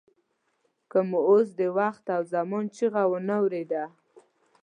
که مو اوس د وخت او زمان چیغه وانه ورېده.